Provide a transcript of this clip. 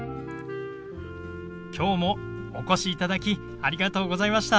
きょうもお越しいただきありがとうございました。